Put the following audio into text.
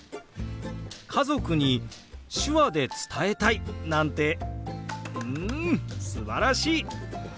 家族に手話で伝えたいなんてうんすばらしい！